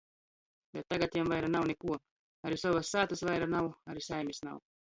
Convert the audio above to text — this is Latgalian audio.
Bet tagad jam vaira nav nikuo. Ari sovys sātys vaira nav, ari saimis nav.